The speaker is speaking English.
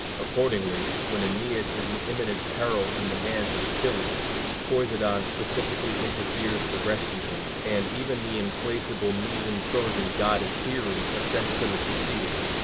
Accordingly, when Æneas is in imminent peril from the hands of Achilles, Poseidon specially interferes to rescue him, and even the implacable miso Trojan goddess Here assents to the proceeding.